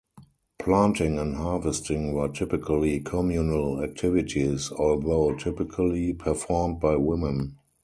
Planting and harvesting were typically communal activities, although typically performed by women.